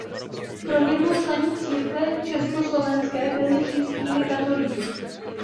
Kromě dvou členů církve československé byli římskými katolíky.